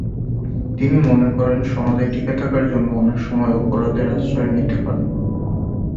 তিনি মনে করেন সমাজে টিকে থাকার জন্য অনেক সময় অপরাধের আশ্রয় নিতে হয়।